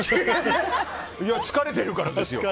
いや疲れてるからですよ。